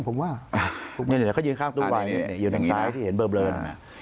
เหนือเขายืนข้างตรงไวน์หยุดข้างซ้ายที่เห็นเบอร์เบลิ้น